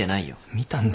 見たんだ！